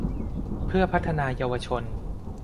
เพื่อพัฒนาเยาวชน